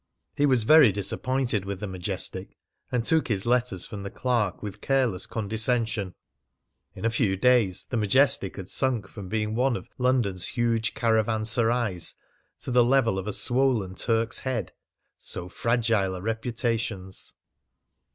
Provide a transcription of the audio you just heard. He was very disappointed with the Majestic, and took his letters from the clerk with careless condescension. In a few days the Majestic had sunk from being one of "London's huge caravanserais" to the level of a swollen Turk's Head. So fragile are reputations!